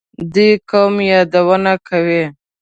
دې قوم یادونه کوي.